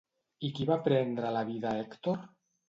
I qui va prendre la vida a Hèctor?